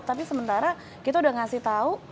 tapi sementara kita udah ngasih tau